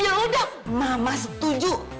ya udah mama setuju